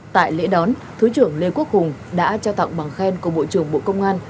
tại lễ đón thứ trưởng lê quốc hùng đã trao tặng bằng khen của bộ trưởng bộ công an